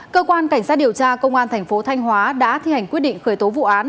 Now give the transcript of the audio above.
cơ quan cảnh sát điều tra công an thành phố thanh hóa đã thi hành quyết định khởi tố vụ án